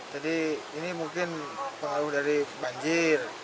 jadi ini mungkin pengaruh dari banjir